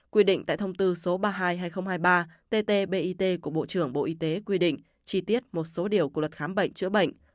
quy định tại thông tư số ba mươi hai hai nghìn hai mươi ba tt bit của bộ trưởng bộ y tế quy định chi tiết một số điều của luật khám bệnh chữa bệnh